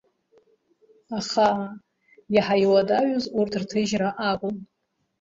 Аха, иаҳа иуадаҩыз урҭ рҭыжьра акәын.